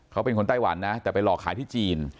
เขาเป็นคนไต้หวันนะแต่ไปหลอกขายที่จีน